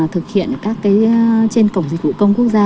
thực hiện trên cổng dịch vụ công quốc gia